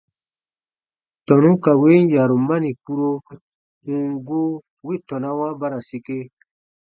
Tɔnu ka win yarumani kpuro, ù n gu, wi tɔnawa ba ra sike.